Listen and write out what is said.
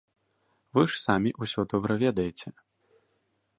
Вы ж самі ўсё добра ведаеце!